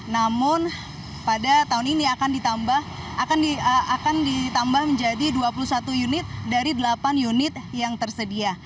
namun pada tahun ini akan ditambah menjadi dua puluh satu unit dari delapan unit yang tersedia